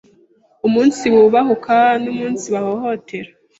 umunsibubahuka no umunsibahohotera